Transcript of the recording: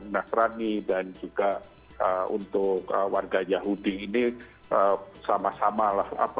nasrani dan juga untuk warga yahudi ini sama sama lah